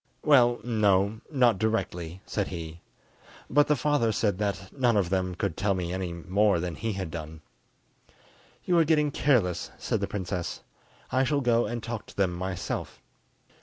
"Well, no; not directly," said he; "but the father said that none of them could tell me any more than he had done." "You are getting careless," said the princess; "I shall go and talk to them myself."